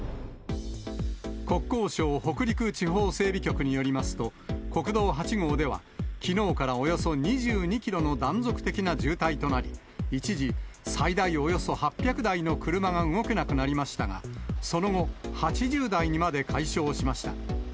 国交省北陸地方整備局によりますと、国道８号では、きのうからおよそ２２キロの断続的な渋滞となり、一時、最大およそ８００台の車が動けなくなりましたが、その後、８０台にまで解消しました。